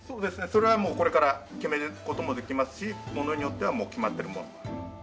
それはもうこれから決める事もできますしものによってはもう決まってるものも。